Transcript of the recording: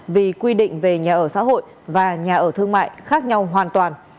vì quy định về nhà ở xã hội và nhà ở thương mại khác nhau hoàn toàn